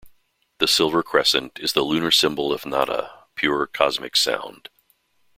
The silver crescent is the lunar symbol of nada, pure cosmic sound.